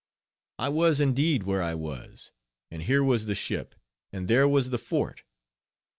I was indeed where I was, and here was the ship, and there was the fort.